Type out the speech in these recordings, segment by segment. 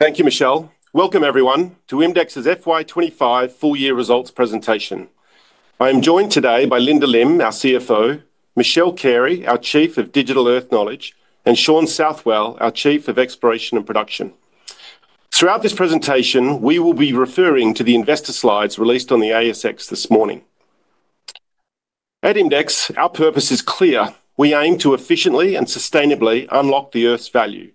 Thank you, Michelle. Welcome, everyone, to IMDEX's FY 2025 Full-Year Results Presentation. I am joined today by Linda Lim, our CFO, Michelle Carey, our Chief of Digital Earth Knowledge, and Shaun Southwell, our Chief of Exploration and Production. Throughout this presentation, we will be referring to the investor slides released on the ASX this morning. At IMDEX, our purpose is clear: we aim to efficiently and sustainably unlock the Earth's value.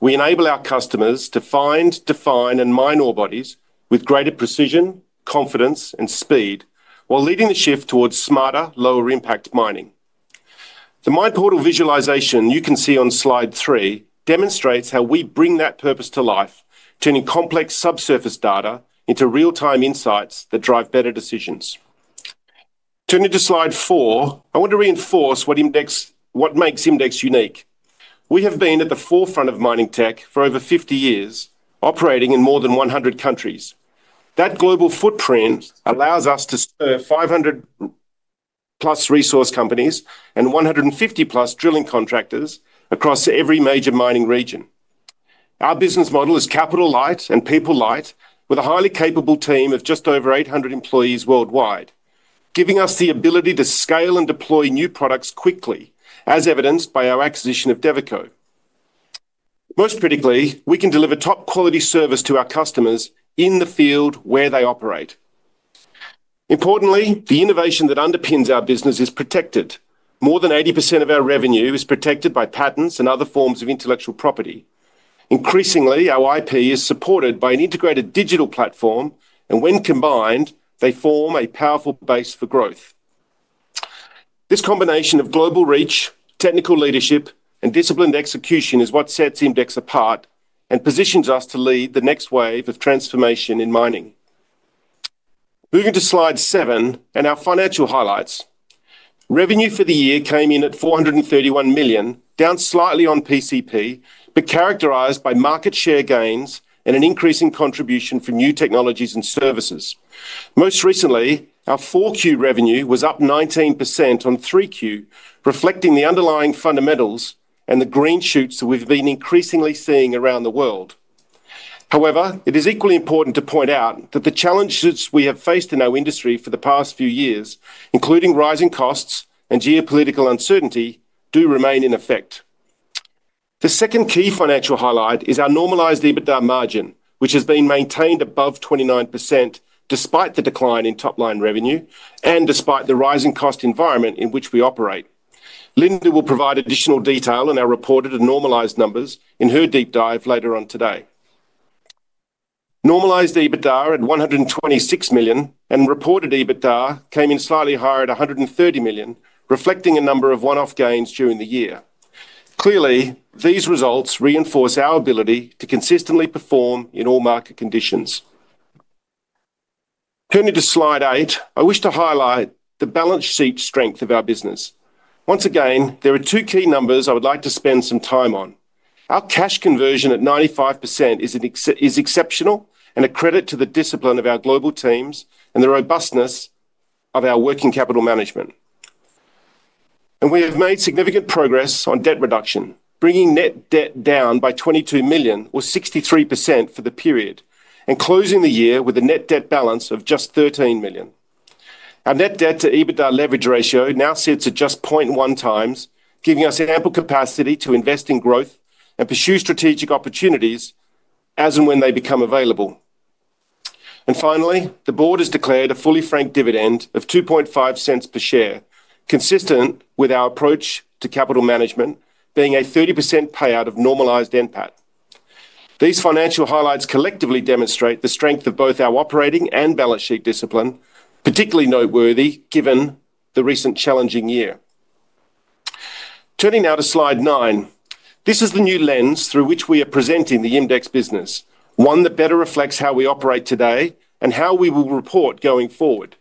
We enable our customers to find, define, and mine ore bodies with greater precision, confidence, and speed, while leading the shift towards smarter, lower-impact mining. The My Portal visualization you can see on slide 3 demonstrates how we bring that purpose to life, turning complex subsurface data into real-time insights that drive better decisions. Turning to slide 4, I want to reinforce what makes IMDEX unique. We have been at the forefront of mining tech for over 50 years, operating in more than 100 countries. That global footprint allows us to serve 500+ resource companies and 150+ drilling contractors across every major mining region. Our business model is capital-light and people-light, with a highly capable team of just over 800 employees worldwide, giving us the ability to scale and deploy new products quickly, as evidenced by our acquisition of Devico. Most critically, we can deliver top-quality service to our customers in the field where they operate. Importantly, the innovation that underpins our business is protected. More than 80% of our revenue is protected by patents and other forms of intellectual property. Increasingly, our IP is supported by an integrated digital platform, and when combined, they form a powerful base for growth. This combination of global reach, technical leadership, and disciplined execution is what sets IMDEX apart and positions us to lead the next wave of transformation in mining. Moving to slide 7 and our financial highlights. Revenue for the year came in at $431 million, down slightly on PCP, but characterized by market share gains and an increase in contribution from new technologies and services. Most recently, our 4Q revenue was up 19% on 3Q, reflecting the underlying fundamentals and the green shoots that we've been increasingly seeing around the world. However, it is equally important to point out that the challenges we have faced in our industry for the past few years, including rising costs and geopolitical uncertainty, do remain in effect. The second key financial highlight is our normalized EBITDA margin, which has been maintained above 29% despite the decline in top-line revenue and despite the rising cost environment in which we operate. Linda will provide additional detail on our reported and normalized numbers in her deep dive later on today. Normalized EBITDA at $126 million and reported EBITDA came in slightly higher at $130 million, reflecting a number of one-off gains during the year. Clearly, these results reinforce our ability to consistently perform in all market conditions. Turning to slide 8, I wish to highlight the balance sheet strength of our business. Once again, there are two key numbers I would like to spend some time on. Our cash conversion at 95% is exceptional and a credit to the discipline of our global teams and the robustness of our working capital management. We have made significant progress on debt reduction, bringing net debt down by $22 million, or 63% for the period, and closing the year with a net debt balance of just $13 million. Our net debt-to-EBITDA leverage ratio now sits at just 0.1x, giving us ample capacity to invest in growth and pursue strategic opportunities as and when they become available. Finally, the board has declared a fully-franked dividend of $0.02 per share, consistent with our approach to capital management being a 30% payout of normalized NPAT. These financial highlights collectively demonstrate the strength of both our operating and balance sheet discipline, particularly noteworthy given the recent challenging year. Turning now to slide 9, this is the new lens through which we are presenting the IMDEX business, one that better reflects how we operate today and how we will report going forward.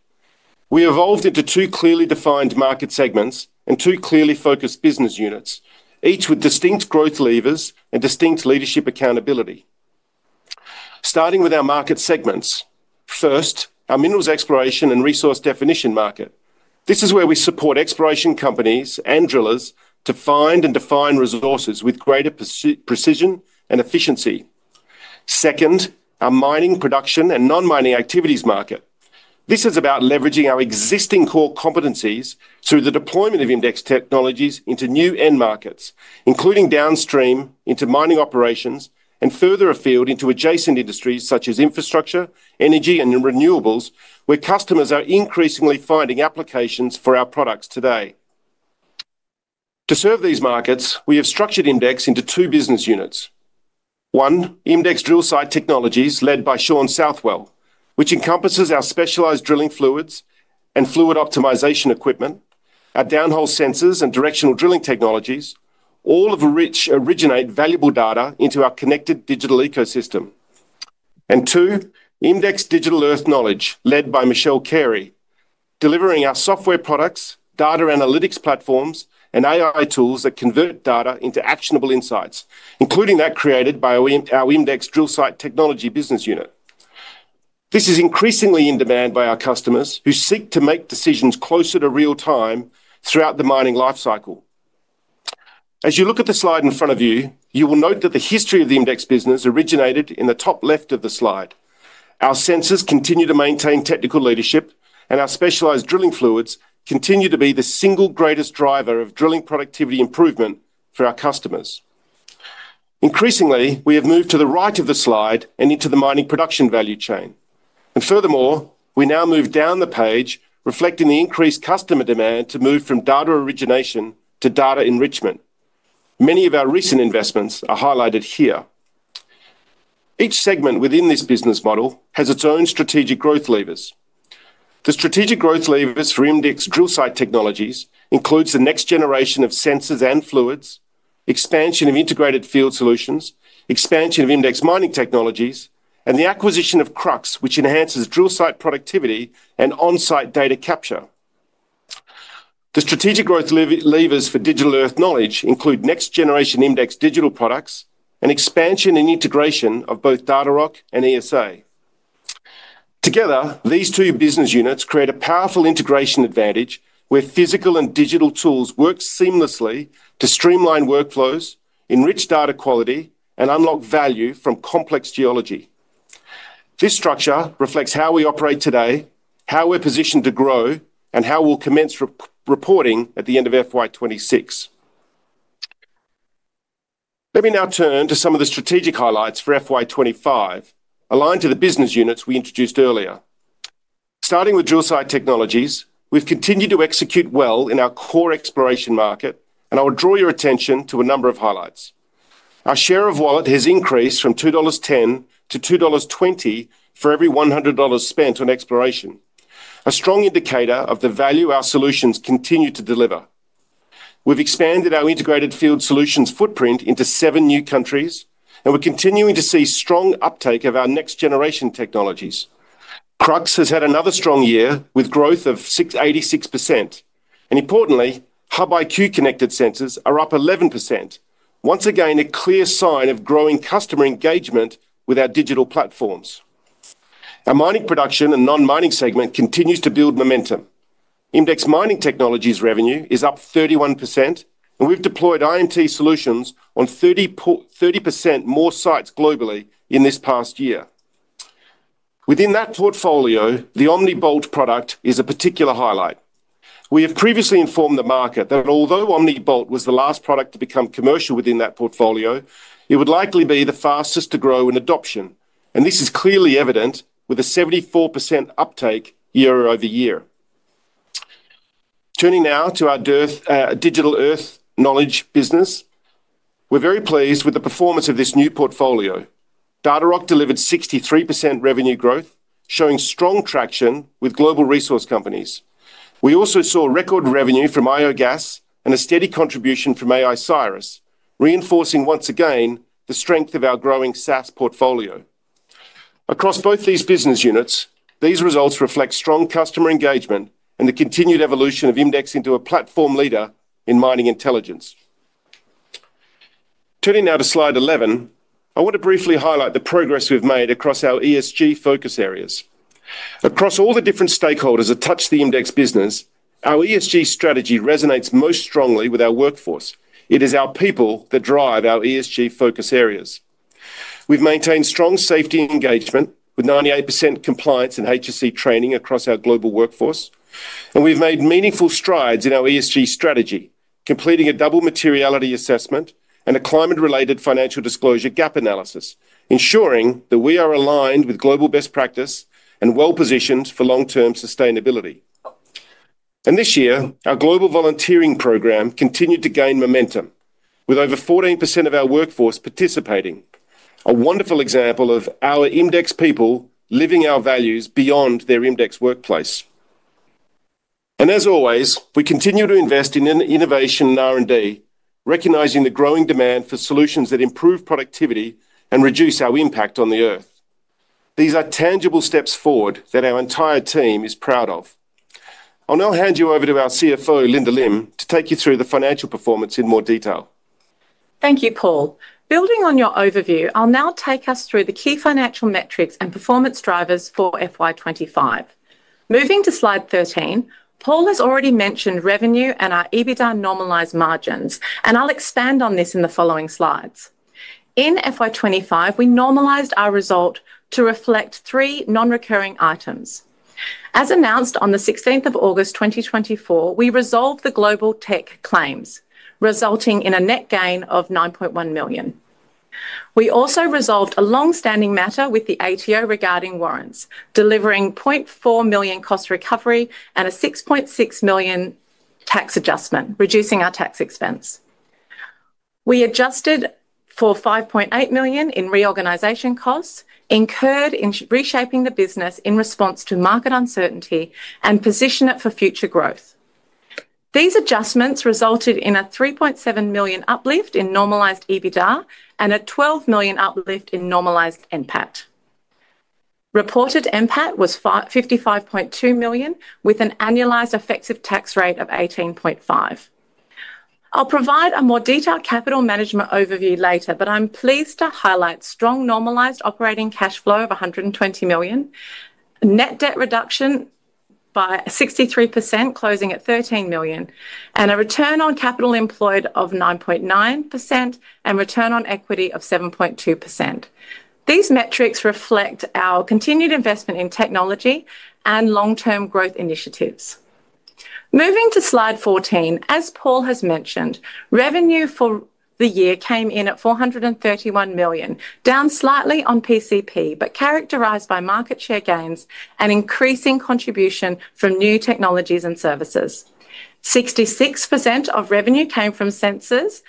We evolved into two clearly defined market segments and two clearly focused business units, each with distinct growth levers and distinct leadership accountability. Starting with our market segments, first, our minerals exploration and resource definition market. This is where we support exploration companies and drillers to find and define resources with greater precision and efficiency. Second, our mining production and non-mining activities market. This is about leveraging our existing core competencies through the deployment of IMDEX technologies into new end-markets, including downstream into mining operations and further afield into adjacent industries such as infrastructure, energy, and renewables, where customers are increasingly finding applications for our products today. To serve these markets, we have structured IMDEX into two business units. One, IMDEX Drill Site Technologies led by Shaun Southwell, which encompasses our specialized drilling fluids and fluid optimization equipment, our downhole sensors and directional drilling technologies, all of which originate valuable data into our connected digital ecosystem. Two, IMDEX Digital Earth Knowledge led by Michelle Carey, delivering our software products, data analytics platforms, and AI tools that convert data into actionable insights, including that created by our IMDEX Drill Site Technologies business unit. This is increasingly in demand by our customers who seek to make decisions closer to real-time throughout the mining lifecycle. As you look at the slide in front of you, you will note that the history of the IMDEX business originated in the top left of the slide. Our sensors continue to maintain technical leadership, and our specialized drilling fluids continue to be the single greatest driver of drilling productivity improvement for our customers. Increasingly, we have moved to the right of the slide and into the mining production value chain. Furthermore, we now move down the page, reflecting the increased customer demand to move from data origination to data enrichment. Many of our recent investments are highlighted here. Each segment within this business model has its own strategic growth levers. The strategic growth levers for IMDEX Drill Site Technologies include the next generation of sensors and fluids, expansion of integrated field solutions, expansion of IMDEX mining technologies, and the acquisition of Krux, which enhances drill site productivity and on-site data capture. The strategic growth levers for Digital Earth Knowledge include next-generation IMDEX digital products and expansion and integration of both Datarock and ESA. Together, these two business units create a powerful integration advantage where physical and digital tools work seamlessly to streamline workflows, enrich data quality, and unlock value from complex geology. This structure reflects how we operate today, how we're positioned to grow, and how we'll commence reporting at the end of FY 2026. Let me now turn to some of the strategic highlights for FY 2025, aligned to the business units we introduced earlier. Starting with Drill Site Technologies, we've continued to execute well in our core exploration market, and I will draw your attention to a number of highlights. Our share of wallet has increased from $2.10-$2.20 for every $100 spent on exploration, a strong indicator of the value our solutions continue to deliver. We've expanded our integrated field solutions footprint into seven new countries, and we're continuing to see strong uptake of our next-generation technologies. Krux has had another strong year with growth of 86%, and importantly, HUB-IQ connected sensors are up 11%, once again a clear sign of growing customer engagement with our digital platforms. Our mining production and non-mining segment continues to build momentum. IMDEX mining technologies revenue is up 31%, and we've deployed IMT solutions on 30% more sites globally in this past year. Within that portfolio, the OMNIxBOLT product is a particular highlight. We have previously informed the market that although OMNIxBOLT was the last product to become commercial within that portfolio, it would likely be the fastest to grow in adoption, and this is clearly evident with a 74% uptake year-over-year. Turning now to our Digital Earth Knowledge business, we're very pleased with the performance of this new portfolio. Datarock delivered 63% revenue growth, showing strong traction with global resource companies. We also saw record revenue from ioGAS and a steady contribution from AI Cyrus, reinforcing once again the strength of our growing SaaS portfolio. Across both these business units, these results reflect strong customer engagement and the continued evolution of IMDEX into a platform leader in mining intelligence. Turning now to slide 11, I want to briefly highlight the progress we've made across our ESG focus areas. Across all the different stakeholders that touch the IMDEX business, our ESG strategy resonates most strongly with our workforce. It is our people that drive our ESG focus areas. We've maintained strong safety engagement with 98% compliance and HSC training across our global workforce, and we've made meaningful strides in our ESG strategy, completing a double materiality assessment and a climate-related financial disclosure gap analysis, ensuring that we are aligned with global best practice and well-positioned for long-term sustainability. This year, our global volunteering program continued to gain momentum, with over 14% of our workforce participating, a wonderful example of our IMDEX people living our values beyond their IMDEX workplace. As always, we continue to invest in innovation and R&D, recognizing the growing demand for solutions that improve productivity and reduce our impact on the Earth. These are tangible steps forward that our entire team is proud of. I'll now hand you over to our CFO, Linda Lim, to take you through the financial performance in more detail. Thank you, Paul. Building on your overview, I'll now take us through the key financial metrics and performance drivers for FY 2025. Moving to slide 13, Paul has already mentioned revenue and our normalized EBITDA margins, and I'll expand on this in the following slides. In FY 2025, we normalized our result to reflect three non-recurring items. As announced on the 16th of August 2024, we resolved the global tech claims, resulting in a net gain of $9.1 million. We also resolved a longstanding matter with the ATO regarding warrants, delivering $0.4 million cost recovery and a $6.6 million tax adjustment, reducing our tax expense. We adjusted for $5.8 million in reorganization costs, incurred in reshaping the business in response to market uncertainty, and positioned it for future growth. These adjustments resulted in a $3.7 million uplift in normalized EBITDA and a $12 million uplift in normalized NPAT. Reported NPAT was $55.2 million, with an annualized effective tax rate of 18.5%. I'll provide a more detailed capital management overview later, but I'm pleased to highlight strong normalized operating cash flow of $120 million, net debt reduction by 63%, closing at $13 million, and a return on capital employed of 9.9%, and return on equity of 7.2%. These metrics reflect our continued investment in technology and long-term growth initiatives. Moving to slide 14, as Paul has mentioned, revenue for the year came in at $431 million, down slightly on PCP, but characterized by market share gains and increasing contribution from new technologies and services. 66% of revenue came from sensors,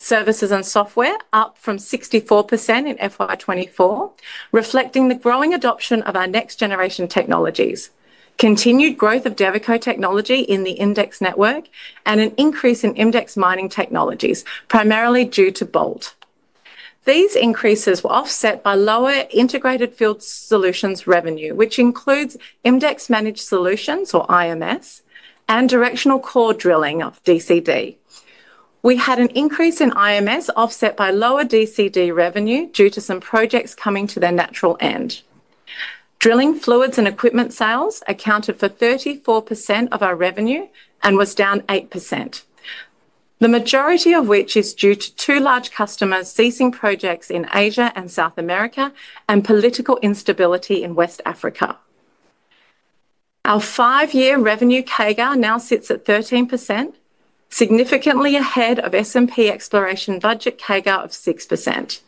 services, and software, up from 64% in FY 2024, reflecting the growing adoption of our next-generation technologies, continued growth of Devico technology in the IMDEX network, and an increase in IMDEX mining technologies, primarily due to BOLT. These increases were offset by lower integrated field solutions revenue, which includes IMDEX Managed Solutions, or IMS, and Directional Core Drilling or DCD. We had an increase in IMS offset by lower DCD revenue due to some projects coming to their natural end. Drilling fluids and equipment sales accounted for 34% of our revenue and was down 8%, the majority of which is due to two large customers ceasing projects in Asia and South America and political instability in West Africa. Our five-year revenue CAGR now sits at 13%, significantly ahead of S&P exploration budget CAGR of 6%.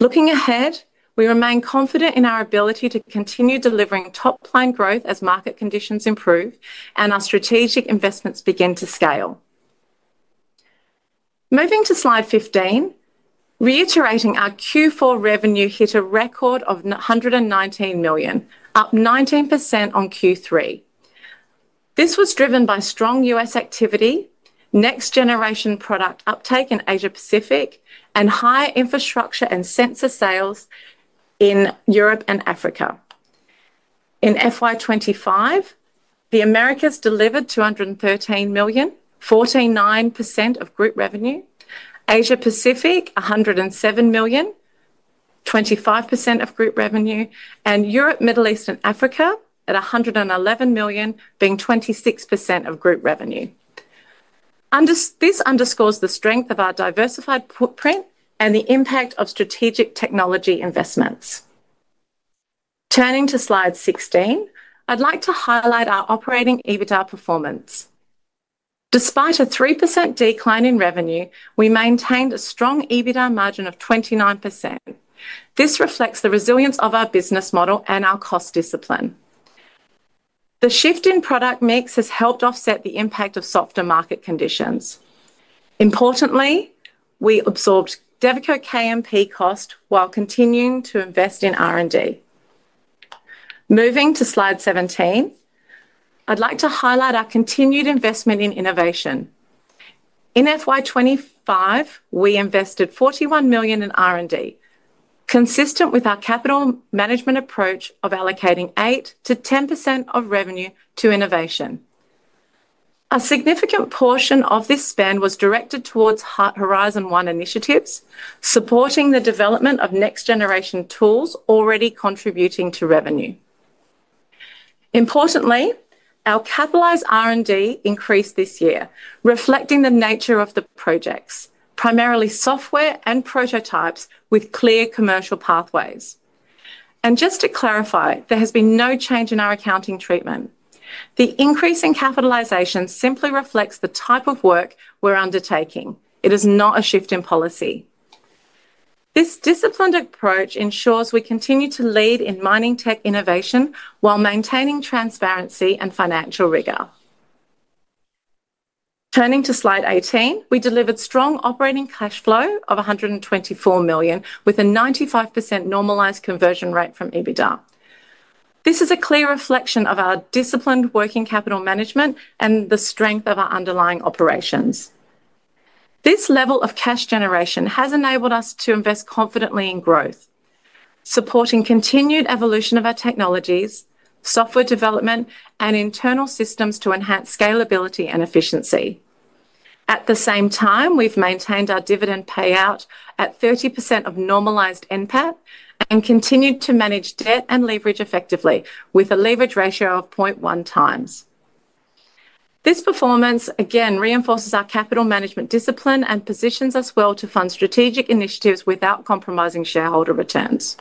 Looking ahead, we remain confident in our ability to continue delivering top-line growth as market conditions improve and our strategic investments begin to scale. Moving to slide 15, reiterating our Q4 revenue hit a record of $119 million, up 19% on Q3. This was driven by strong U.S. activity, next-generation product uptake in Asia-Pacific, and high infrastructure and sensor sales in Europe and Africa. In FY 2025, the Americas delivered $213 million, 49% of group revenue, Asia-Pacific $107 million, 25% of group revenue, and Europe, Middle East, and Africa at $111 million, being 26% of group revenue. This underscores the strength of our diversified footprint and the impact of strategic technology investments. Turning to slide 16, I'd like to highlight our operating EBITDA performance. Despite a 3% decline in revenue, we maintained a strong EBITDA margin of 29%. This reflects the resilience of our business model and our cost discipline. The shift in product mix has helped offset the impact of softer market conditions. Importantly, we absorbed Devico KMP cost while continuing to invest in R&D. Moving to slide 17, I'd like to highlight our continued investment in innovation. In FY 2025, we invested $41 million in R&D, consistent with our capital management approach of allocating 8%-10% of revenue to innovation. A significant portion of this spend was directed towards Horizon1 initiatives, supporting the development of next-generation tools already contributing to revenue. Importantly, our catalyzed R&D increased this year, reflecting the nature of the projects, primarily software and prototypes with clear commercial pathways. Just to clarify, there has been no change in our accounting treatment. The increase in capitalization simply reflects the type of work we're undertaking. It is not a shift in policy. This disciplined approach ensures we continue to lead in mining tech innovation while maintaining transparency and financial rigor. Turning to slide 18, we delivered strong operating cash flow of $124 million, with a 95% normalized conversion rate from EBITDA. This is a clear reflection of our disciplined working capital management and the strength of our underlying operations. This level of cash generation has enabled us to invest confidently in growth, supporting continued evolution of our technologies, software development, and internal systems to enhance scalability and efficiency. At the same time, we've maintained our dividend payout at 30% of normalized end-pat and continued to manage debt and leverage effectively, with a leverage ratio of 0.1x. This performance again reinforces our capital management discipline and positions us well to fund strategic initiatives without compromising shareholder returns.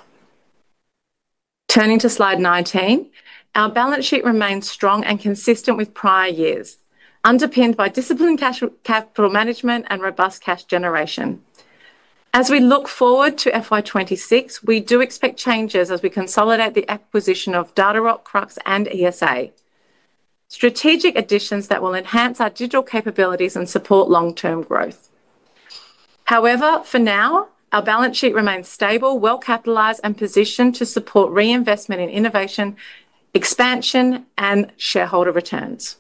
Turning to slide 19, our balance sheet remains strong and consistent with prior years, underpinned by disciplined capital management and robust cash generation. As we look forward to FY 2026, we do expect changes as we consolidate the acquisition of Datarock, Krux, and ESA, strategic additions that will enhance our digital capabilities and support long-term growth. However, for now, our balance sheet remains stable, well-capitalized, and positioned to support reinvestment in innovation, expansion, and shareholder returns.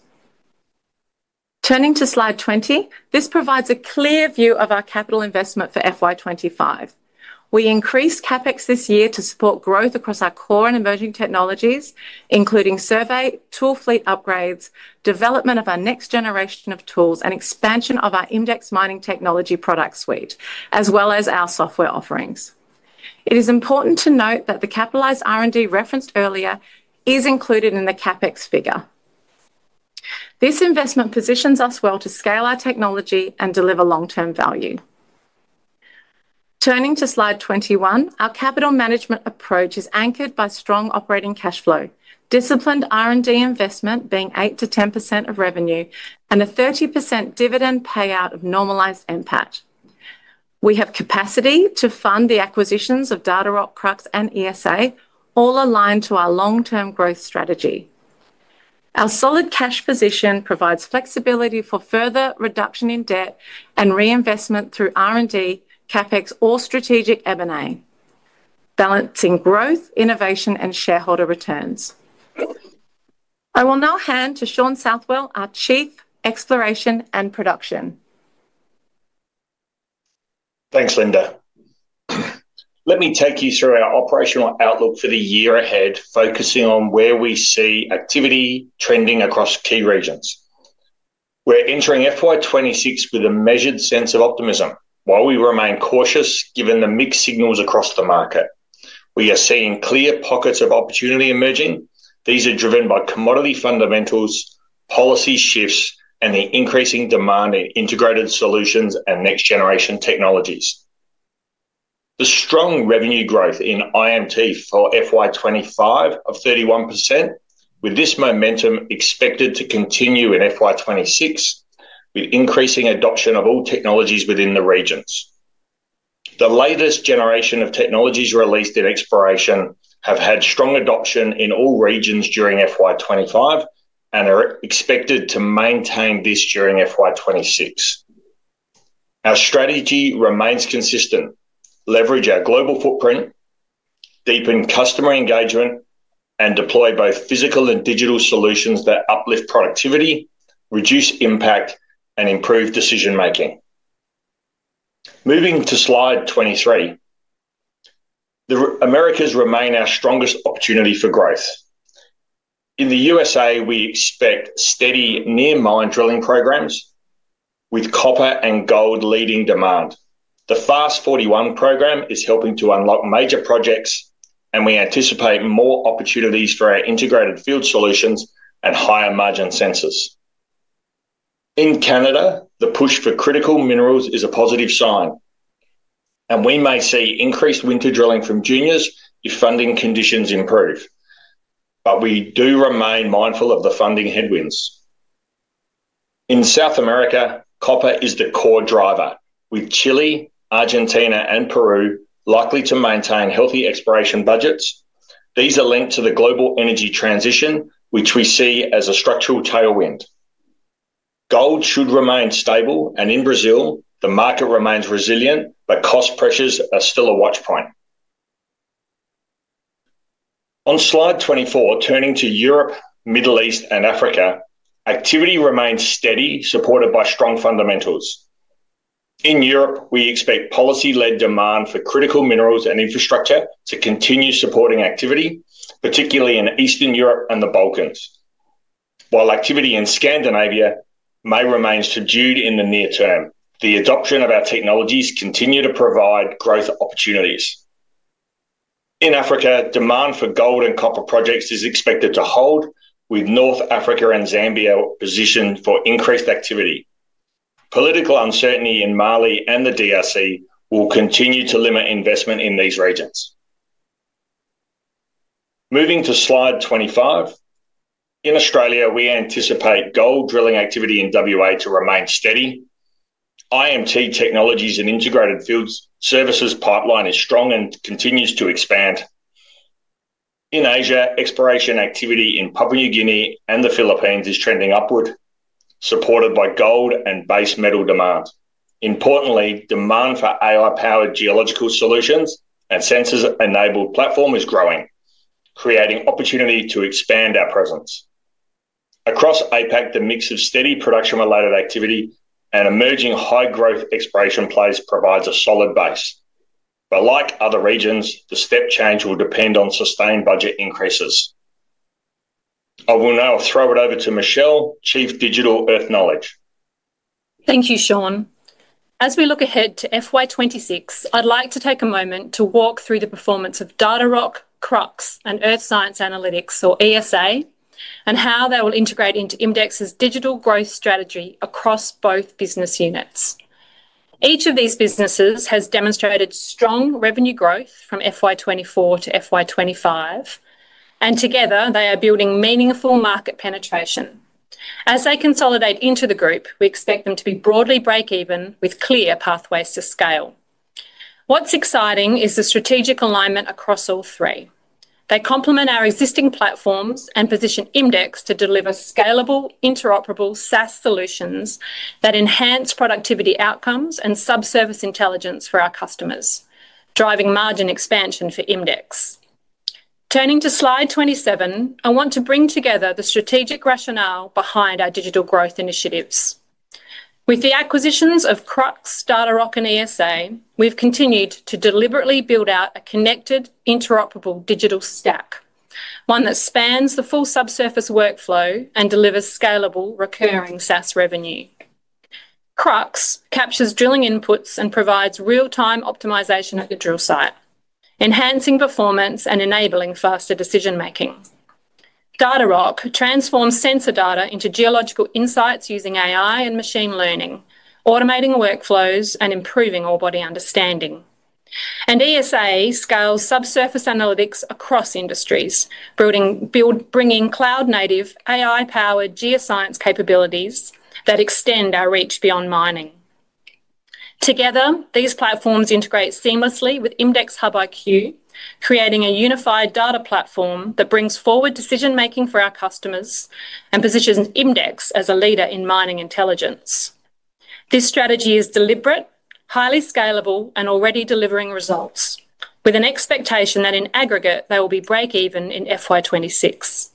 Turning to slide 20, this provides a clear view of our capital investment for FY 2025. We increased CapEx this year to support growth across our core and emerging technologies, including survey, tool fleet upgrades, development of our next generation of tools, and expansion of our IMDEX mining technology product suite, as well as our software offerings. It is important to note that the capitalized R&D referenced earlier is included in the CapEx figure. This investment positions us well to scale our technology and deliver long-term value. Turning to slide 21, our capital management approach is anchored by strong operating cash flow, disciplined R&D investment being 8%-10% of revenue, and a 30% dividend payout of normalized end-pat. We have capacity to fund the acquisitions of Datarock, Krux Analytics, and ESA, all aligned to our long-term growth strategy. Our solid cash position provides flexibility for further reduction in debt and reinvestment through R&D, CapEx, or strategic M&A, balancing growth, innovation, and shareholder returns. I will now hand to Shaun Southwell, our Chief Exploration and Production. Thanks, Linda. Let me take you through our operational outlook for the year ahead, focusing on where we see activity trending across key regions. We're entering FY 2026 with a measured sense of optimism, while we remain cautious given the mixed signals across the market. We are seeing clear pockets of opportunity emerging. These are driven by commodity fundamentals, policy shifts, and the increasing demand in integrated solutions and next-generation technologies. The strong revenue growth in IMT for FY 2025 of 31%, with this momentum expected to continue in FY 2026, with increasing adoption of all technologies within the regions. The latest generation of technologies released in exploration have had strong adoption in all regions during FY 2025 and are expected to maintain this during FY 2026. Our strategy remains consistent: leverage our global footprint, deepen customer engagement, and deploy both physical and digital solutions that uplift productivity, reduce impact, and improve decision-making. Moving to slide 23, the Americas remain our strongest opportunity for growth. In the U.S.A., we expect steady near mine drilling programs with copper and gold leading demand. The FAST-41 program is helping to unlock major projects, and we anticipate more opportunities for our integrated field solutions and higher margin sensors. In Canada, the push for critical minerals is a positive sign, and we may see increased winter drilling from juniors if funding conditions improve, but we do remain mindful of the funding headwinds. In South America, copper is the core driver, with Chile, Argentina, and Peru likely to maintain healthy exploration budgets. These are linked to the global energy transition, which we see as a structural tailwind. Gold should remain stable, and in Brazil, the market remains resilient, but cost pressures are still a watch point. On slide 24, turning to Europe, Middle East, and Africa, activity remains steady, supported by strong fundamentals. In Europe, we expect policy-led demand for critical minerals and infrastructure to continue supporting activity, particularly in Eastern Europe and the Balkans, while activity in Scandinavia may remain subdued in the near term. The adoption of our technologies continues to provide growth opportunities. In Africa, demand for gold and copper projects is expected to hold, with North Africa and Zambia positioned for increased activity. Political uncertainty in Mali and the DRC will continue to limit investment in these regions. Moving to slide 25, in Australia, we anticipate gold drilling activity in WA to remain steady. IMT technologies and integrated field services pipeline is strong and continues to expand. In Asia, exploration activity in Papua New Guinea and the Philippines is trending upward, supported by gold and base metal demand. Importantly, demand for AI-powered geological solutions and sensors-enabled platform is growing, creating opportunity to expand our presence. Across APAC, the mix of steady production-related activity and emerging high-growth exploration plays provides a solid base. The step change will depend on sustained budget increases. I will now throw it over to Michelle, Chief Digital Earth Knowledge. Thank you, Shaun. As we look ahead to FY 2026, I'd like to take a moment to walk through the performance of Datarock, Krux, and Earth Science Analytics, or ESA, and how they will integrate into IMDEX's digital growth strategy across both business units. Each of these businesses has demonstrated strong revenue growth from FY 2024 to FY 2025, and together they are building meaningful market penetration. As they consolidate into the group, we expect them to be broadly break-even with clear pathways to scale. What's exciting is the strategic alignment across all three. They complement our existing platforms and position IMDEX to deliver scalable, interoperable SaaS solutions that enhance productivity outcomes and subsurface intelligence for our customers, driving margin expansion for IMDEX. Turning to slide 27, I want to bring together the strategic rationale behind our digital growth initiatives. With the acquisitions of Krux, Datarock, and ESA, we've continued to deliberately build out a connected, interoperable digital stack, one that spans the full subsurface workflow and delivers scalable, recurring SaaS revenue. Krux captures drilling inputs and provides real-time optimization at the drill site, enhancing performance and enabling faster decision-making. Datarock transforms sensor data into geological insights using AI and machine learning, automating workflows and improving orebody understanding. ESA scales subsurface analytics across industries, bringing cloud-native AI-powered geoscience capabilities that extend our reach beyond mining. Together, these platforms integrate seamlessly with IMDEXHUB-IQ, creating a unified data platform that brings forward decision-making for our customers and positions IMDEX as a leader in mining intelligence. This strategy is deliberate, highly scalable, and already delivering results, with an expectation that in aggregate they will be break-even in FY 2026.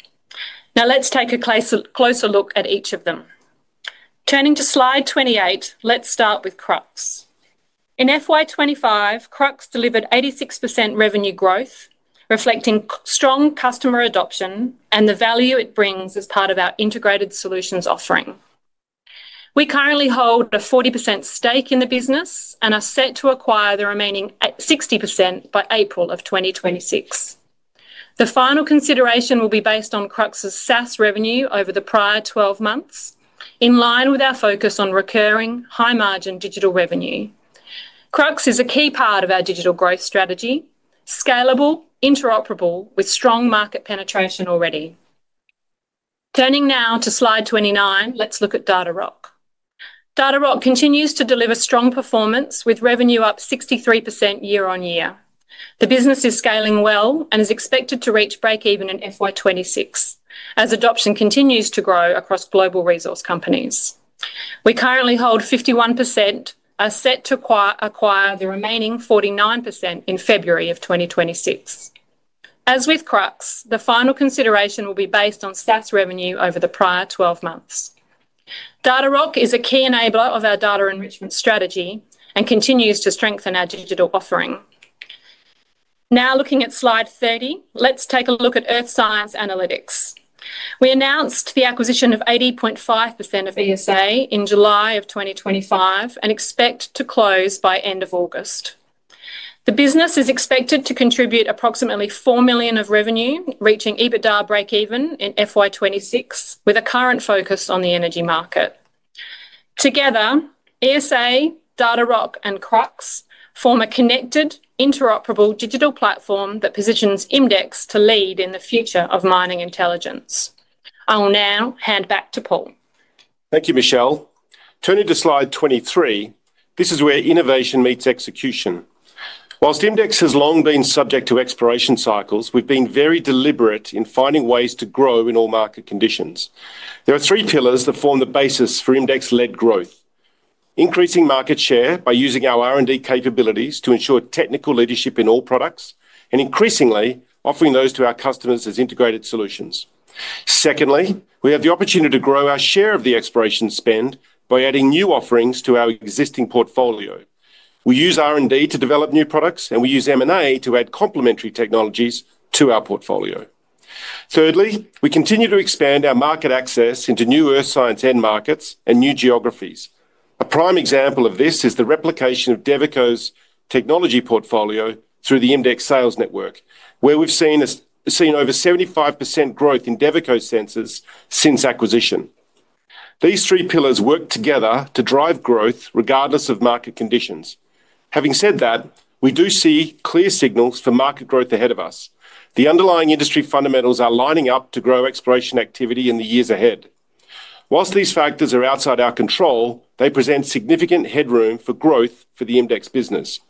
Now let's take a closer look at each of them. Turning to slide 28, let's start with Krux. In FY 2025, Krux delivered 86% revenue growth, reflecting strong customer adoption and the value it brings as part of our integrated solutions offering. We currently hold a 40% stake in the business and are set to acquire the remaining 60% by April of 2026. The final consideration will be based on Krux's SaaS revenue over the prior 12 months, in line with our focus on recurring, high-margin digital revenue. Krux is a key part of our digital growth strategy, scalable, interoperable, with strong market penetration already. Turning now to slide 29, let's look at Datarock. Datarock continues to deliver strong performance, with revenue up 63% year-on-year. The business is scaling well and is expected to reach break-even in FY 2026 as adoption continues to grow across global resource companies. We currently hold 51% and are set to acquire the remaining 49% in February of 2026. As with Krux, the final consideration will be based on SaaS revenue over the prior 12 months. Datarock is a key enabler of our data enrichment strategy and continues to strengthen our digital offering. Now looking at slide 30, let's take a look at Earth Science Analytics. We announced the acquisition of 80.5% of ESA in July of 2025 and expect to close by end of August. The business is expected to contribute approximately $4 million of revenue, reaching EBITDA break-even in FY 2026, with a current focus on the energy market. Together, ESA, Datarock, and Krux form a connected, interoperable digital platform that positions IMDEX to lead in the future of mining intelligence. I will now hand back to Paul. Thank you, Michelle. Turning to slide 23, this is where innovation meets execution. Whilst IMDEX has long been subject to exploration cycles, we've been very deliberate in finding ways to grow in all market conditions. There are three pillars that form the basis for IMDEX-led growth: increasing market share by using our R&D capabilities to ensure technical leadership in all products, and increasingly, offering those to our customers as integrated solutions. Secondly, we have the opportunity to grow our share of the exploration spend by adding new offerings to our existing portfolio. We use R&D to develop new products, and we use M&A to add complementary technologies to our portfolio. Thirdly, we continue to expand our market access into new Earth Science end-markets and new geographies. A prime example of this is the replication of Devico's technology portfolio through the IMDEX sales network, where we've seen over 75% growth in Devico sensors since acquisition. These three pillars work together to drive growth regardless of market conditions. Having said that, we do see clear signals for market growth ahead of us. The underlying industry fundamentals are lining up to grow exploration activity in the years ahead. Whilst these factors are outside our control, they present significant headroom for growth for the IMDEX business.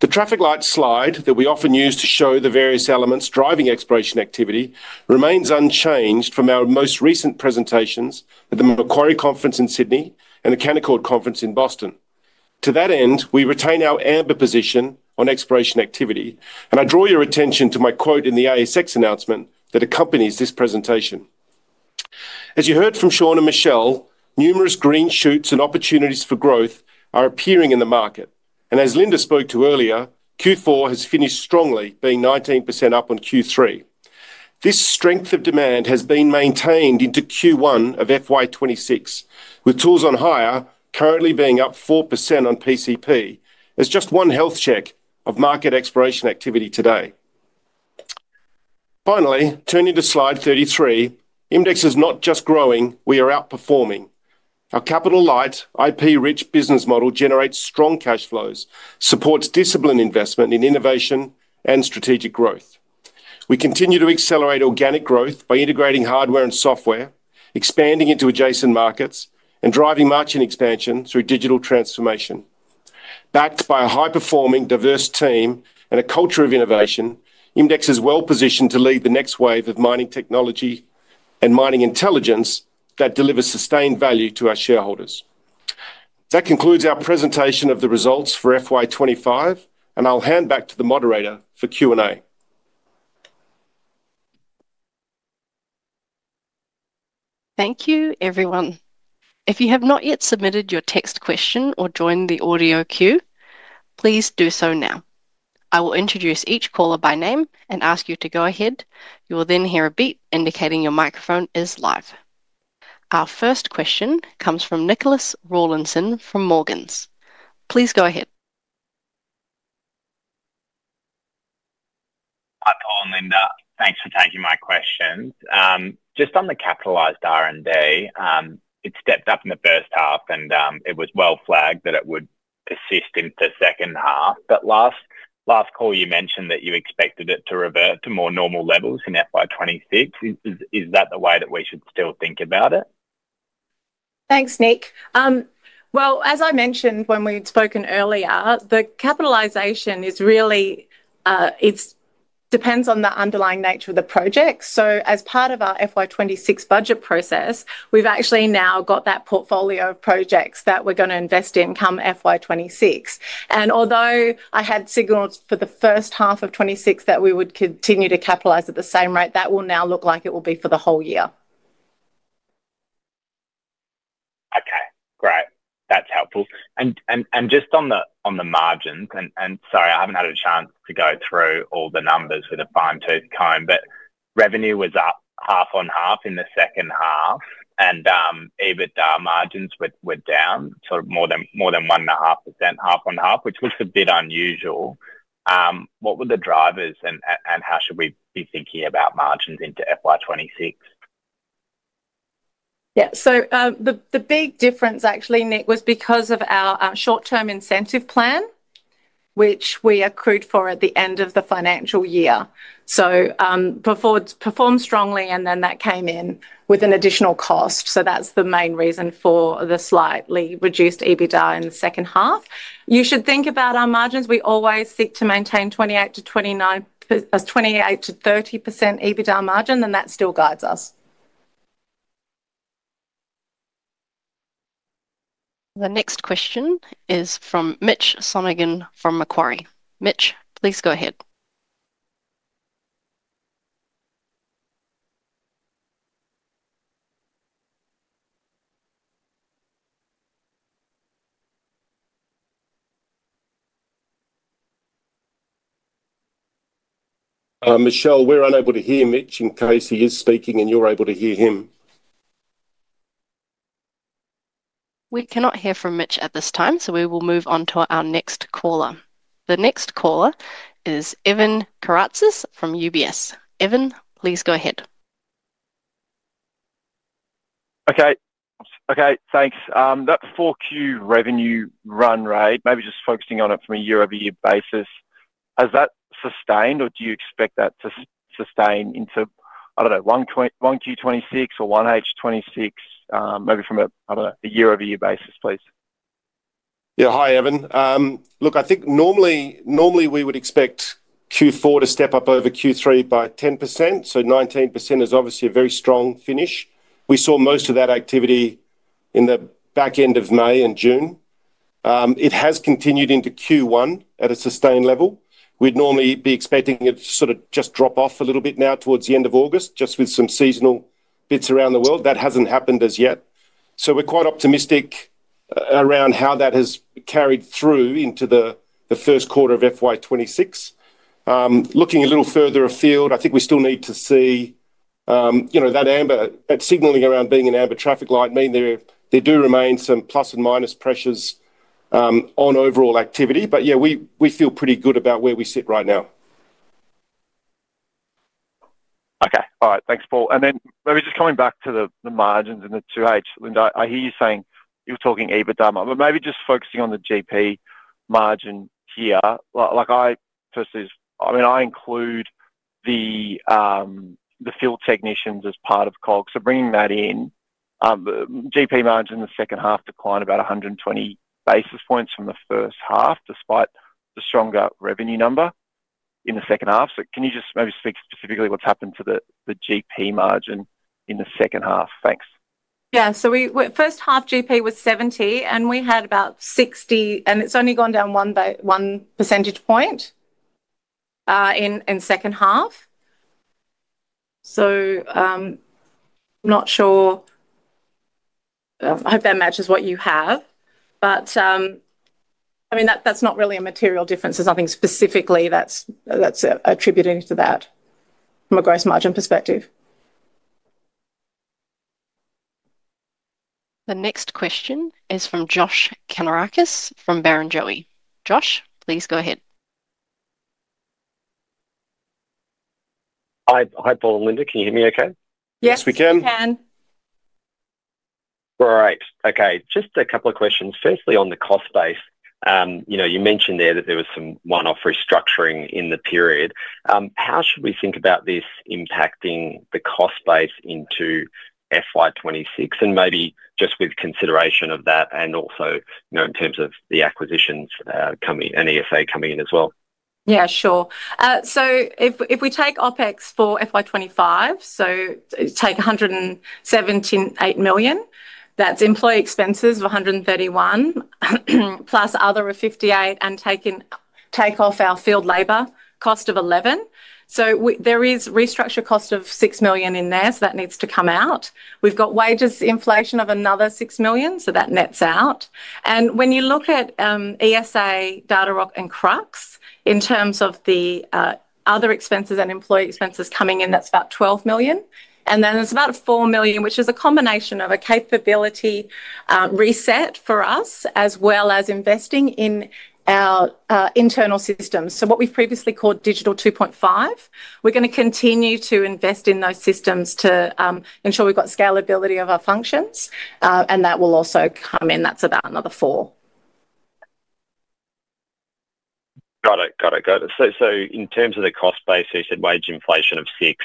The traffic light slide that we often use to show the various elements driving exploration activity remains unchanged from our most recent presentations at the Macquarie Conference in Sydney and the Canaccord Conference in Boston. To that end, we retain our amber position on exploration activity, and I draw your attention to my quote in the ASX announcement that accompanies this presentation. As you heard from Shaun and Michelle, numerous green shoots and opportunities for growth are appearing in the market. As Linda spoke to earlier, Q4 has finished strongly, being 19% up on Q3. This strength of demand has been maintained into Q1 of FY 2026, with tools on hire currently being up 4% on PCP, as just one health check of market exploration activity today. Finally, turning to slide 33, IMDEX is not just growing; we are outperforming. Our capital-light, IP-rich business model generates strong cash flows, supports disciplined investment in innovation and strategic growth. We continue to accelerate organic growth by integrating hardware and software, expanding into adjacent markets, and driving margin expansion through digital transformation. Backed by a high-performing, diverse team, and a culture of innovation, IMDEX is well-positioned to lead the next wave of mining technology and mining intelligence that delivers susained value to our shareholders. That concludes our presentation of the results for FY 2025, and I'll hand back to the moderator for Q&A. Thank you, everyone. If you have not yet submitted your text question or joined the audio queue, please do so now. I will introduce each caller by name and ask you to go ahead. You will then hear a beep indicating your microphone is live. Our first question comes from Nicholas Rawlinson from Morgans. Please go ahead. Linda, thanks for taking my question. Just on the capitalized R&D, it stepped up in the first-half, and it was well flagged that it would persist into the second half. Last call, you mentioned that you expected it to revert to more normal levels in FY 2026. Is that the way that we should still think about it? Thanks, Nick. As I mentioned when we'd spoken earlier, the capitalization really depends on the underlying nature of the project. As part of our FY 2026 budget process, we've actually now got that portfolio of projects that we're going to invest in come FY 2026. Although I had signals for the first-half of 2026 that we would continue to capitalize at the same rate, that will now look like it will be for the whole year. Okay, great. That's helpful. Just on the margins, sorry, I haven't had a chance to go through all the numbers with a fine-tooth comb, but revenue was up half-on-half in the second half, and EBITDA margins were down, so more than 1.5% half-on-half, which looks a bit unusual. What were the drivers and how should we be thinking about margins into FY 2026? Yeah, the big difference actually, Nick, was because of our short-term incentive plan, which we accrued for at the end of the financial year. We performed strongly, and that came in with an additional cost. That's the main reason for the slightly reduced EBITDA in the second half. You should think about our margins. We always seek to maintain 28%-30% EBITDA margin, and that still guides us. The next question is from Mitch Sonogan from Macquarie. Mitch, please go ahead. Michelle, we're unable to hear Mitch in case he is speaking and you're able to hear him. We cannot hear from Mitch at this time, so we will move on to our next caller. The next caller is Evan Karatzas from UBS. Evan, please go ahead. Thanks. That 4Q revenue run rate, maybe just focusing on it from a year-over-year basis, is that sustained or do you expect that to sustain into, I don't know, 1Q26 or 1H26? Maybe from a year-over-year basis, please. Yeah, hi Evan. Look, I think normally we would expect Q4 to step up over Q3 by 10%, so 19% is obviously a very strong finish. We saw most of that activity in the back-end of May and June. It has continued into Q1 at a sustained level. We'd normally be expecting it to sort of just drop off a little bit now towards the end of August, just with some seasonal bits around the world. That hasn't happened as yet. We are quite optimistic around how that has carried through into the first quarter of FY 2026. Looking a little further afield, I think we still need to see, you know, that amber, that signaling around being an amber traffic light, meaning there do remain some plus and minus pressures on overall activity. We feel pretty good about where we sit right now. Okay, all right, thanks Paul. Maybe just coming back to the margins in the 2H, Linda, I hear you saying you're talking EBITDA, but maybe just focusing on the GP margin here. I personally, I mean, I include the field technicians as part of COG, so bringing that in. GP margin in the second half declined about 120 basis points from the first-half, despite the stronger revenue number in the second half. Can you just maybe speak specifically what's happened to the GP margin in the second half? Thanks. Yeah, so first half GP was 70 and we had about 60, and it's only gone down one percentage point in the second half. I'm not sure, I hope that matches what you have, but I mean, that's not really a material difference. There's nothing specifically that's attributing to that from a gross margin perspective. The next question is from Josh Kannourakis from Barrenjoey. Josh, please go ahead. Hi, Paul and Linda, can you hear me okay? Yes, we can. Great, okay, just a couple of questions. Firstly, on the cost base, you mentioned there that there was some one-off restructuring in the period. How should we think about this impacting the cost base into FY 2026 and maybe just with consideration of that and also in terms of the acquisitions coming and ESA coming in as well? Yeah, sure. If we take OpEx for FY 2025, take $178 million, that's employee expenses of $131 million, plus other of $58 million, and take off our field labor cost of $11 million. There is restructure cost of $6 million in there, so that needs to come out. We've got wages inflation of another $6 million, so that nets out. When you look at ESA, Datarock, and Krux in terms of the other expenses and employee expenses coming in, that's about $12 million. It's about $4 million, which is a combination of a capability reset for us as well as investing in our internal systems. What we've previously called Digital 2.5, we're going to continue to invest in those systems to ensure we've got scalability of our functions, and that will also come in. That's about another $4 million. Got it. In terms of the cost base, you said wage inflation of $6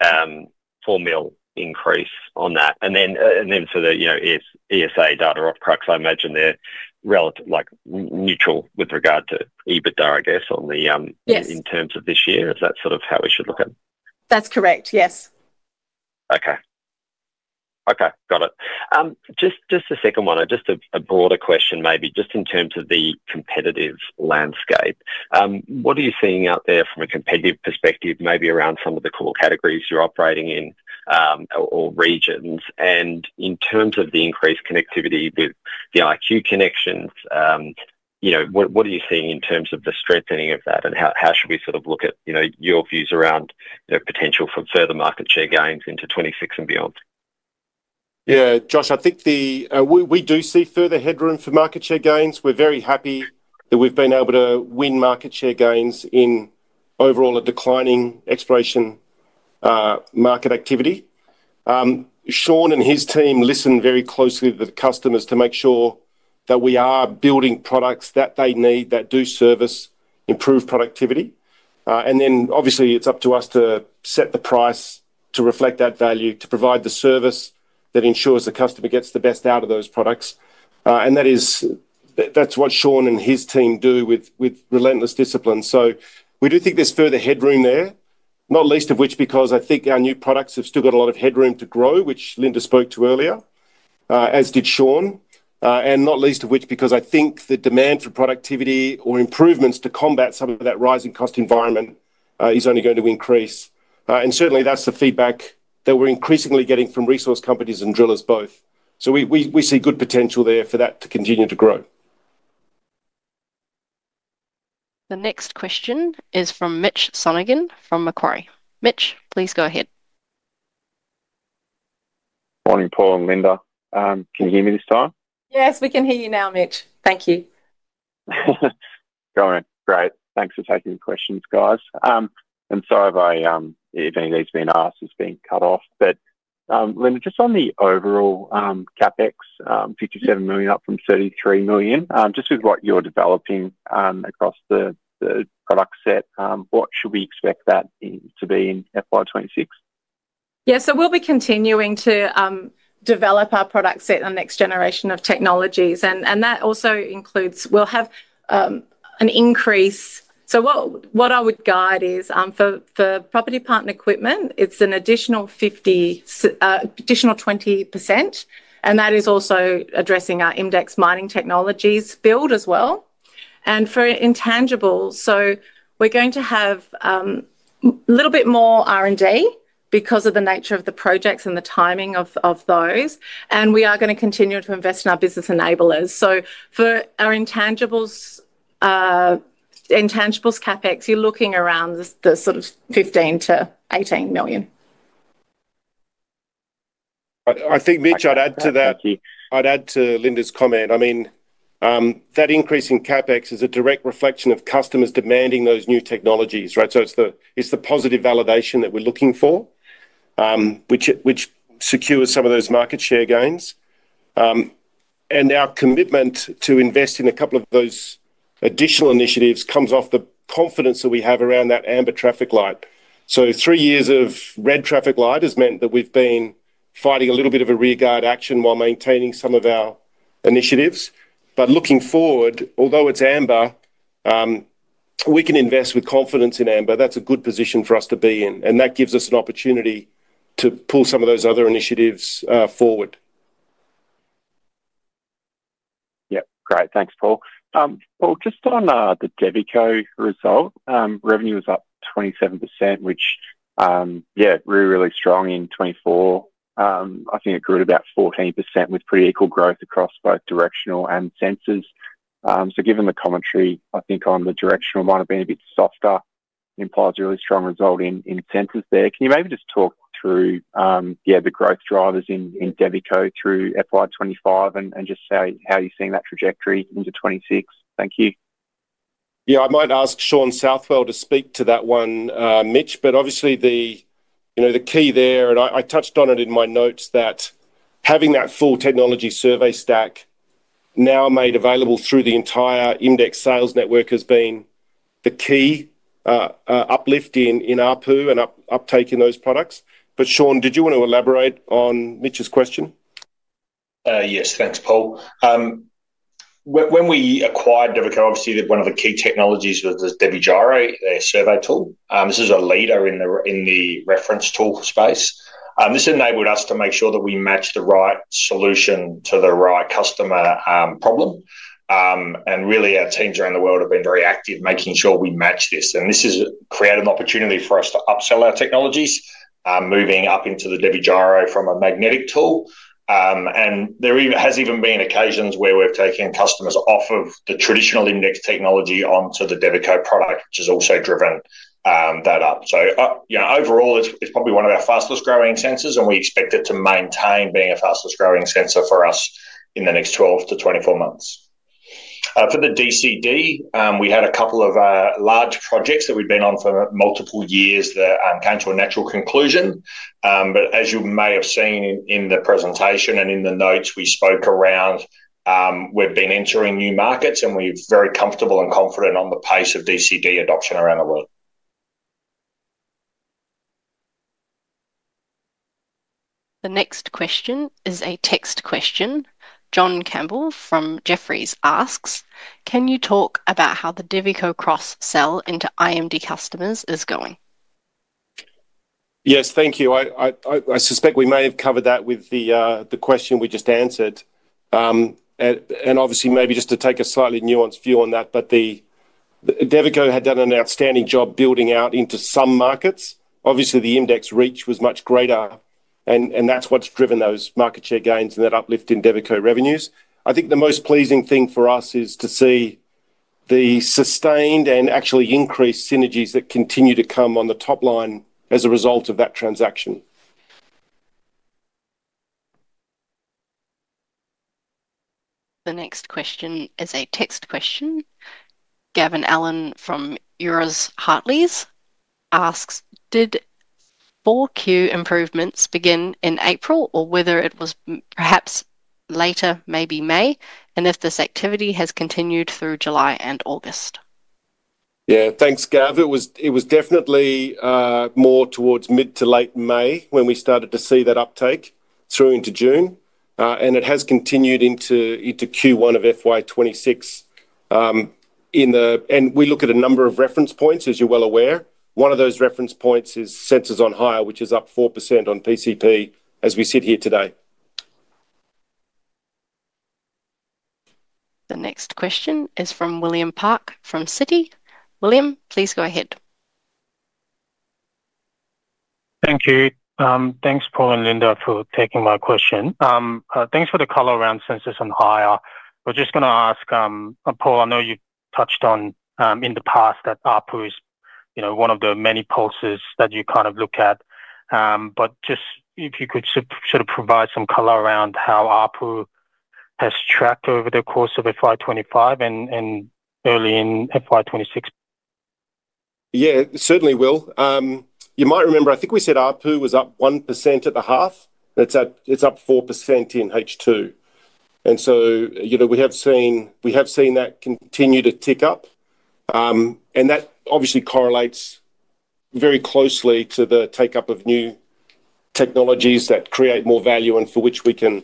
million, $4 million increase on that. The ESA, Datarock, Krux, I imagine they're relatively neutral with regard to EBITDA, I guess, in terms of this year. Is that sort of how we should look at it? That's correct, yes. Okay, got it. Just a second one, just a broader question maybe, just in terms of the competitive landscape. What are you seeing out there from a competitive perspective, maybe around some of the core categories you're operating in or regions? In terms of the increased connectivity, the IQ connections, you know, what are you seeing in terms of the strengthening of that? How should we sort of look at your views around potential for further market share gains into 2026 and beyond? Yeah, Josh, I think we do see further headroom for market share gains. We're very happy that we've been able to win market share gains in overall a declining exploration market activity. Shaun and his team listen very closely to the customers to make sure that we are building products that they need that do service, improve productivity. Obviously, it's up to us to set the price to reflect that value, to provide the service that ensures the customer gets the best out of those products. That is what Shaun and his team do with relentless discipline. We do think there's further headroom there, not least of which because I think our new products have still got a lot of headroom to grow, which Linda spoke to earlier, as did Shaun, and not least of which because I think the demand for productivity or improvements to combat some of that rising cost environment is only going to increase. Certainly, that's the feedback that we're increasingly getting from resource companies and drillers both. We see good potential there for that to continue to grow. The next question is from Mitch Sonogan from Macquarie. Mitch, please go ahead. Morning, Paul and Linda. Can you hear me this time? Yes, we can hear you now, Mitch. Thank you. Great, thanks for taking your questions, guys. Sorry if any of these are being asked, it's being cut off. Linda, just on the overall CapEx, $57 million up from $33 million, just with what you're developing across the product set, what should we expect that to be in FY 2026? Yeah, we'll be continuing to develop our product set and the next generation of technologies. That also includes, we'll have an increase. What I would guide is for property partner equipment, it's an additional 20%. That is also addressing our IMDEX mining technologies build as well. For intangibles, we're going to have a little bit more R&D because of the nature of the projects and the timing of those. We are going to continue to invest in our business enablers. For our intangibles, intangibles CapEx, you're looking around the sort of $15 million-$18 million. I think, Mitch, I'd add to that. I'd add to Linda's comment. I mean, that increase in CapEx is a direct reflection of customers demanding those new technologies, right? It's the positive validation that we're looking for, which secures some of those market share gains. Our commitment to invest in a couple of those additional initiatives comes off the confidence that we have around that amber traffic light. Three years of red traffic light has meant that we've been fighting a little bit of a rear guard action while maintaining some of our initiatives. Looking forward, although it's amber, we can invest with confidence in amber. That's a good position for us to be in. That gives us an opportunity to pull some of those other initiatives forward. Yeah, great. Thanks, Paul. Paul, just on the Devico result, revenue was up 27%, which is really, really strong in 2024. I think it grew at about 14% with pretty equal growth across both directional and sensors. Given the commentary, I think on the directional might have been a bit softer, which implies a really strong result in sensors there. Can you maybe just talk through the growth drivers in Devico through FY 2025 and just say how you're seeing that trajectory into 2026? Thank you. Yeah, I might ask Shaun Southwell to speak to that one, Mitch. Obviously, the key there, and I touched on it in my notes, is that having that full technology survey stack now made available through the entire IMDEX sales network has been the key uplift in ARPU and uptake in those products. Shaun, did you want to elaborate on Mitch's question? Yes, thanks, Paul. When we acquired Devico, obviously, one of the key technologies was the DeviGyro survey tool. This is a leader in the reference tool space. This enabled us to make sure that we matched the right solution to the right customer problem. Our teams around the world have been very active making sure we match this. This has created an opportunity for us to upsell our technologies, moving up into the DeviGyro from a magnetic tool. There have even been occasions where we've taken customers off of the traditional IMDEX technology onto the Devico product, which has also driven that up. Overall, it's probably one of our fastest growing sensors, and we expect it to maintain being a fastest growing sensor for us in the next 12-24 months. For the DCD, we had a couple of large projects that we'd been on for multiple years that came to a natural conclusion. As you may have seen in the presentation and in the notes we spoke around, we've been entering new markets, and we're very comfortable and confident on the pace of DCD adoption around the world. The next question is a text question. John Campbell from Jeffreys asks, can you talk about how the Devico cross-sell into IMD customers is going? Yes, thank you. I suspect we may have covered that with the question we just answered. Obviously, maybe just to take a slightly nuanced view on that, Devico had done an outstanding job building out into some markets. Obviously, the IMDEX reach was much greater, and that's what's driven those market share gains and that uplift in Devico revenues. I think the most pleasing thing for us is to see the sustained and actually increased synergies that continue to come on the top line as a result of that transaction. The next question is a text question. Gavin Allen from Euroz Hartleys asks, did 4Q improvements begin in April or whether it was perhaps later, maybe May, and if this activity has continued through July and August? Yeah, thanks, Gav. It was definitely more towards mid to late May when we started to see that uptake through into June, and it has continued into Q1 of FY 2026. We look at a number of reference points, as you're well aware. One of those reference points is sensors on hire, which is up 4% on PCP as we sit here today. The next question is from William Park from Citi. William, please go ahead. Thank you. Thanks, Paul and Linda, for taking my question. Thanks for the color around sensors on hire. I was just going to ask, Paul, I know you've touched on in the past that ARPU is one of the many pulses that you kind of look at, but just if you could sort of provide some color around how ARPU has tracked over the course of FY 2025 and early in FY 2026. Yeah, certainly will. You might remember, I think we said ARPU was up 1% at the half. It's up 4% in H2. We have seen that continue to tick up, and that obviously correlates very closely to the take-up of new technologies that create more value and for which we can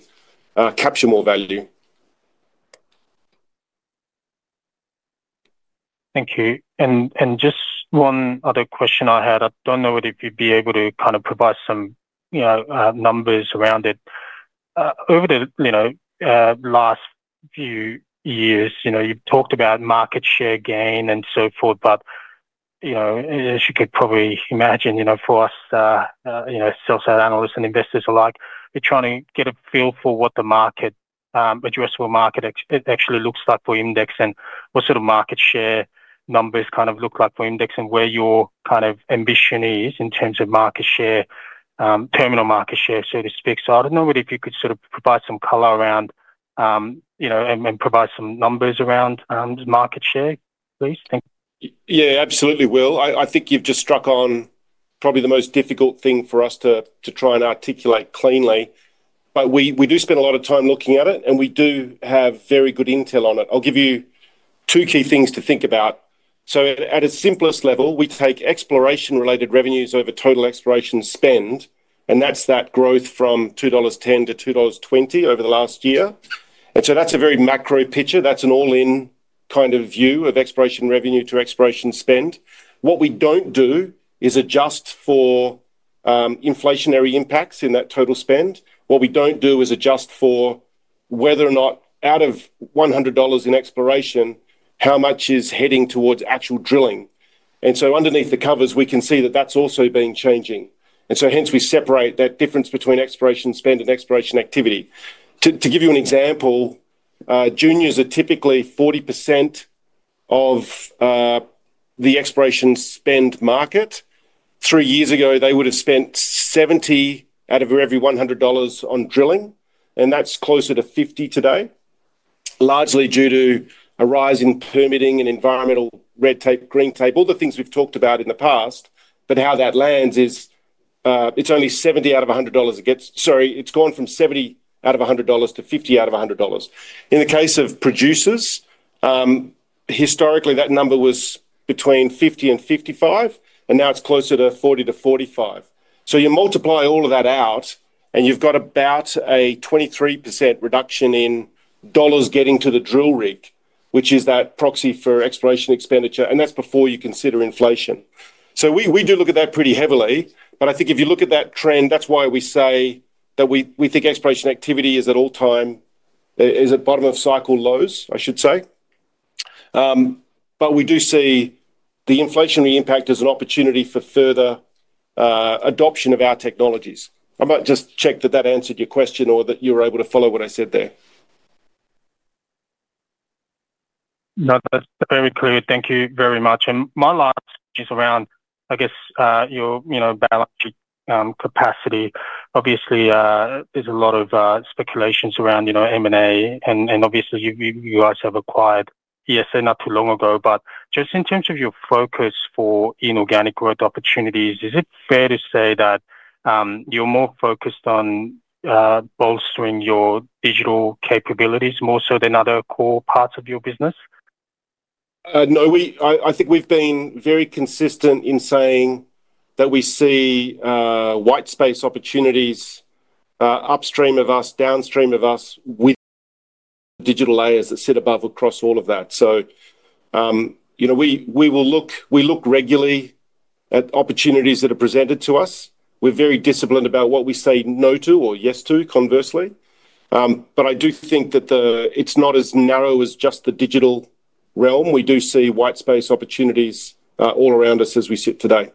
capture more value. Thank you. Just one other question I had. I don't know if you'd be able to kind of provide some numbers around it. Over the last few years, you've talked about market share gain and so forth, but as you could probably imagine, for us sales analysts and investors alike, we're trying to get a feel for what the market, addressable market, actually looks like for IMDEX and what sort of market share numbers kind of look like for IMDEX and where your kind of ambition is in terms of market share, terminal market share, so to speak. I don't know whether you could sort of provide some color around, and provide some numbers around market share, please. Yeah, absolutely Will. I think you've just struck on probably the most difficult thing for us to try and articulate cleanly, but we do spend a lot of time looking at it, and we do have very good intel on it. I'll give you two key things to think about. At its simplest level, we take exploration-related revenues over total exploration spend, and that's that growth from $2.10-$2.20 over the last year. That's a very macro picture. That's an all-in kind of view of exploration revenue to exploration spend. What we don't do is adjust for inflationary impacts in that total spend. What we don't do is adjust for whether or not out of $100 in exploration, how much is heading towards actual drilling. Underneath the covers, we can see that that's also been changing. Hence we separate that difference between exploration spend and exploration activity. To give you an example, juniors are typically 40% of the exploration spend market. Three years ago, they would have spent $70 out of every $100 on drilling, and that's closer to $50 today, largely due to a rise in permitting and environmental red tape, green tape, all the things we've talked about in the past. How that lands is it's only $70 out of $100. Sorry, it's gone from $70 out of $100 to $50 out of $100. In the case of producers, historically that number was between $50 and $55, and now it's closer to $40-$45. You multiply all of that out, and you've got about a 23% reduction in dollars getting to the drill rig, which is that proxy for exploration expenditure, and that's before you consider inflation. We do look at that pretty heavily, but I think if you look at that trend, that's why we say that we think exploration activity is at all times, is at bottom of cycle lows, I should say. We do see the inflationary impact as an opportunity for further adoption of our technologies. I might just check that that answered your question or that you were able to follow what I said there. No, that's very clear. Thank you very much. My last question is around, I guess, your balance sheet capacity. Obviously, there's a lot of speculation around M&A, and obviously you guys have acquired ESA not too long ago, but just in terms of your focus for inorganic growth opportunities, is it fair to say that you're more focused on bolstering your digital capabilities more so than other core parts of your business? No, I think we've been very consistent in saying that we see white space opportunities upstream of us, downstream of us, with digital layers that sit above across all of that. We look regularly at opportunities that are presented to us. We're very disciplined about what we say no to or yes to, conversely. I do think that it's not as narrow as just the digital realm. We do see white space opportunities all around us as we sit today.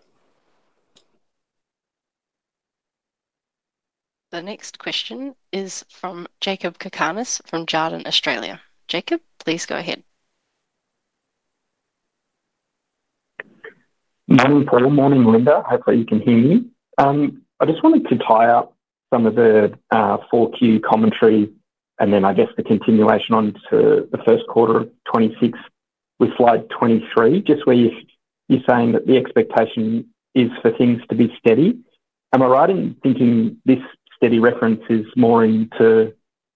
The next question is from Jacob Cakarnis from Jarden, Australia. Jacob, please go ahead. Morning, Paul. Morning, Linda. Hope that you can hear me. I just wanted to tie up some of the 4Q commentary and then I guess the continuation on to the first quarter of 2026 with slide 23, just where you're saying that the expectation is for things to be steady. Am I right in thinking this steady reference is more into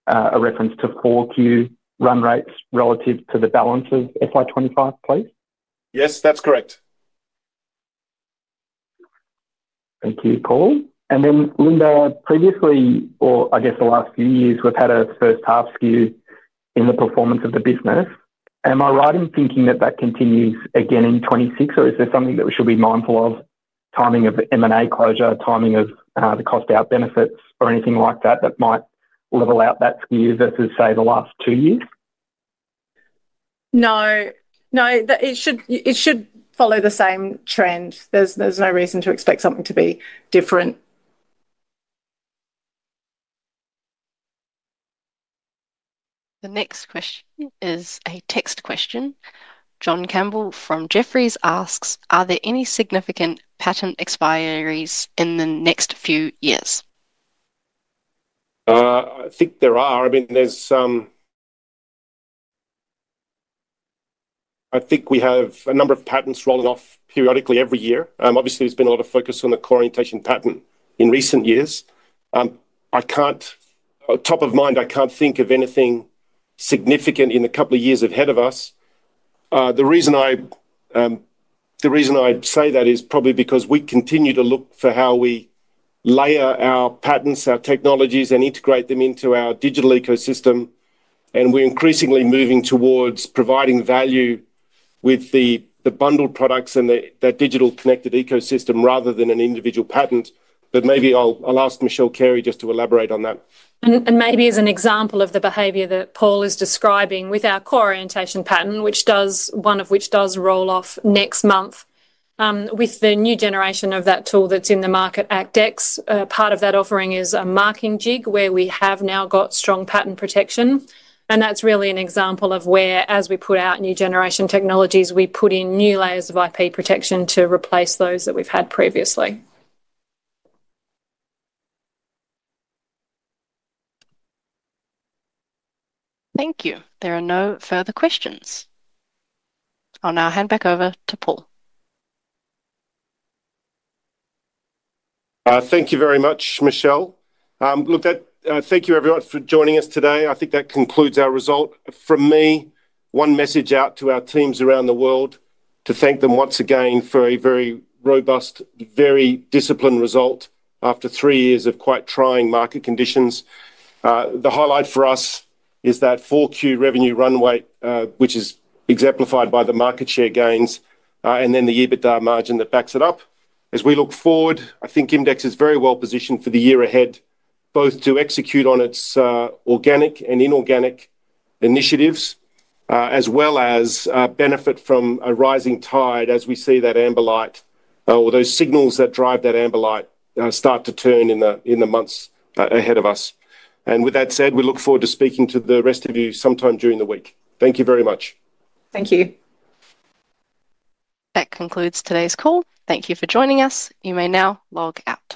a reference to 4Q run rates relative to the balance of FY 2025, please? Yes, that's correct. Thank you, Paul. Linda, previously, or I guess the last few years, we've had a first-half skew in the performance of the business. Am I right in thinking that that continues again in 2026, or is there something that we should be mindful of? Timing of M&A closure, timing of the cost-out benefits, or anything like that that might level out that skew versus, say, the last two years? No, it should follow the same trend. There's no reason to expect something to be different. The next question is a text question. John Campbell from Jeffreys asks, are there any significant patent expiries in the next few years? I think there are. I mean, there's, I think we have a number of patents rolling off periodically every year. Obviously, there's been a lot of focus on the core orientation patent in recent years. I can't, top of mind, I can't think of anything significant in the couple of years ahead of us. The reason I say that is probably because we continue to look for how we layer our patents, our technologies, and integrate them into our digital ecosystem. We're increasingly moving towards providing value with the bundled products and that digital connected ecosystem rather than an individual patent. Maybe I'll ask Michelle Carey just to elaborate on that. For example, the behavior that Paul is describing with our core orientation patent, one of which does roll off next month with the new generation of that tool that's in the market, ACTEX. Part of that offering is a marking jig where we have now got strong patent protection. That's really an example of where, as we put out new generation technologies, we put in new layers of IP protection to replace those that we've had previously. Thank you. There are no further questions. I'll now hand back over to Paul. Thank you very much, Michelle. Thank you everyone for joining us today. I think that concludes our result. For me, one message out to our teams around the world to thank them once again for a very robust, very disciplined result after three years of quite trying market conditions. The highlight for us is that 4Q revenue run rate, which is exemplified by the market share gains, and then the EBITDA margin that backs it up. As we look forward, I think IMDEX is very well positioned for the year ahead, both to execute on its organic and inorganic initiatives, as well as benefit from a rising tide as we see that amber light or those signals that drive that amber light start to turn in the months ahead of us. With that said, we look forward to speaking to the rest of you sometime during the week. Thank you very much. Thank you. That concludes today's call. Thank you for joining us. You may now log out.